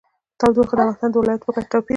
تودوخه د افغانستان د ولایاتو په کچه توپیر لري.